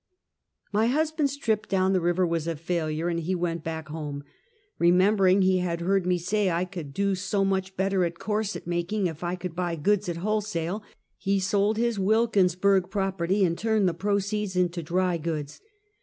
My husband's trip down the river was a failure, and he went back home. Remembering he had heard me say I could do so much better at corset making if I could buy goods at wholesale, he sold his Wilkinsburg property and turned the proceeds into dry goods.